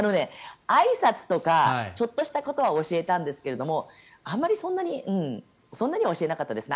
あいさつとかちょっとしたことは教えたんですがあまりそんなには教えなかったですね。